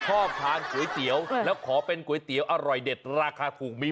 ชอบทานก๋วยเตี๋ยวแล้วขอเป็นก๋วยเตี๋ยวอร่อยเด็ดราคาถูกมี